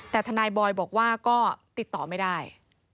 แต่ทนายบอยบอกว่าก็ติดต่อไม่ได้